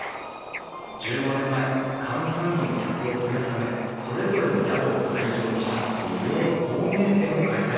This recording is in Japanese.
１５年前閑散期の客を増やすためそれぞれの宿を会場にした無料の工芸展を開催。